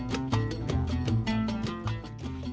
ingat makan sahur memegang peranan penting dalam kelanjaran atmosfer